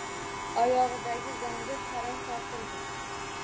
Oyog‘idagi zanjir tarang tortildi.